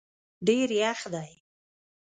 ډېر یخ دی